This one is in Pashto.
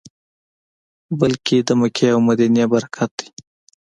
بلکې د مکې او مدینې برکت دی.